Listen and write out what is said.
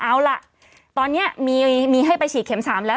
เอาล่ะตอนนี้มีให้ไปฉีดเข็ม๓แล้ว